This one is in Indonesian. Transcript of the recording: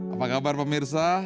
apa kabar pemirsa